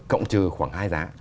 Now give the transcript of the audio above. cộng trừ khoảng hai giá